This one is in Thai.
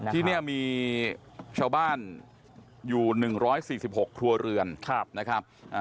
ที่นี่มีชาวบ้านอยู่๑๔๖ครัวเรือนนะครับ